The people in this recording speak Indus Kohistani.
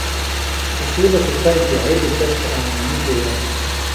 اصول فقہ انتہائی دلچسپ آں میں کِریا